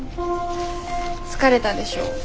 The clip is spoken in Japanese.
疲れたでしょ。